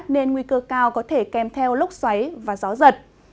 nên nguy cơ cao có thể kèm theo lúc xoáy và gió giật